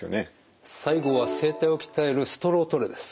最後は声帯を鍛えるストロートレです。